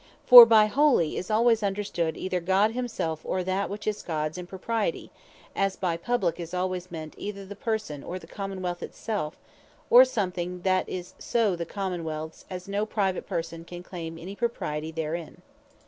For by Holy, is alwaies understood, either God himselfe, or that which is Gods in propriety; as by Publique is alwaies meant, either the Person of the Common wealth it self, or something that is so the Common wealths, as no private person can claim any propriety therein.